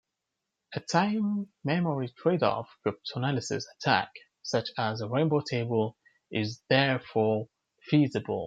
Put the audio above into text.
A time-memory trade-off cryptanalysis attack, such as a rainbow table, is therefore feasible.